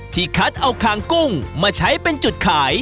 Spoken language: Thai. คัดเอาคางกุ้งมาใช้เป็นจุดขาย